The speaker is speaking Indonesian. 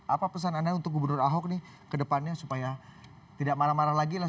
apa pesan anda untuk gubernur ahok nih ke depannya supaya tidak marah marah lagi lah